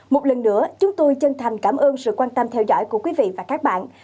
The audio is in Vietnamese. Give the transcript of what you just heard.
một lần nữa chúng tôi chân thành cảm ơn sự quan tâm theo dõi của quý vị và các bạn